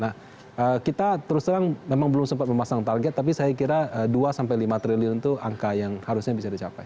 nah kita terus terang memang belum sempat memasang target tapi saya kira dua sampai lima triliun itu angka yang harusnya bisa dicapai